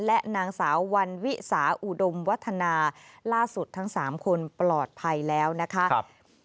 และนางสาววันวิสาอุดมวัฒนาล่าสุดทั้งสามคนปลอดภัยแล้วนะคะ